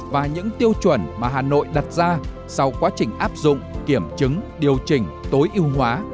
và những tiêu chuẩn mà hà nội đặt ra sau quá trình áp dụng kiểm chứng điều chỉnh tối ưu hóa